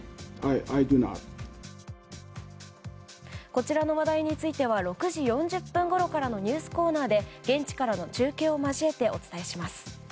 こちらの話題については６時４０分ごろからのニュースコーナーでも現地からの中継を交えてお伝えします。